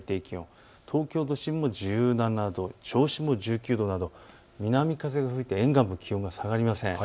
東京都心も１７度、銚子も１９度など南風が吹いて沿岸部気温が下がりません。